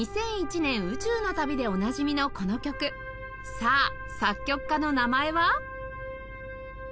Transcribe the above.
さあ作曲家の名前は？